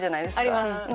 あります！